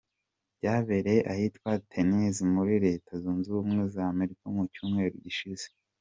Byabereye ahitwa Tennesse muri Leta zunze Ubumwe za Amerika mu cyumweru gishize.